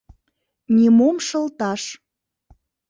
Нимом шылташ!